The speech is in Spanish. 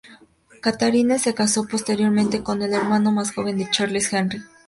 Katharine se casó posteriormente con el hermano más joven de Charles, Henry.